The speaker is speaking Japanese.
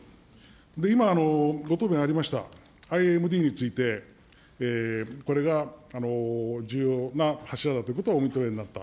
今、ご答弁ありました、ＩＡＭＤについて、これが重要な柱だということをお認めになった。